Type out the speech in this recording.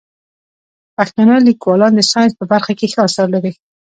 پښتانه لیکوالان د ساینس په برخه کې ښه اثار لري.